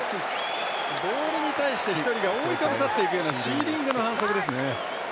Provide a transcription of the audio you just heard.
ボールに対して１人が覆いかぶさっていくようなシーリングの反則ですね。